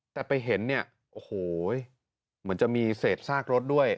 แต่ไปเห็นเนี่ยโอ้โหเหมือนจะมีเศษซากรถด้วย